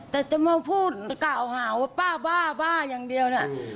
แต่จะมาพูดกล่าวหาว่าป้าบ้าบ้าอย่างเดียวเนี่ย